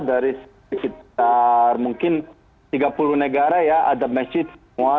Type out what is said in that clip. dari sekitar mungkin tiga puluh negara ya ada masjid semua